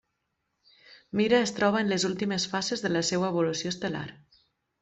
Mira es troba en les últimes fases de la seva evolució estel·lar.